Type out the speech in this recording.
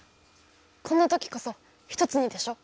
こんなときこそ一つにでしょ？